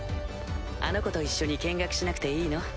あの子と一緒に見学しなくていいの？